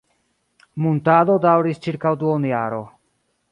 Muntado daŭris ĉirkaŭ duonjaro.